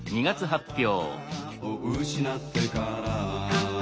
「貴女を失ってから」